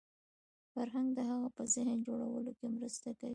فرهنګ د هغه په ذهن جوړولو کې مرسته کوي